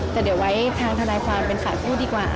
แต่เดี๋ยวไว้ทางทนายความเป็นฝ่ายพูดดีกว่า